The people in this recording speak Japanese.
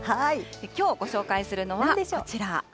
きょうご紹介するのはこちら。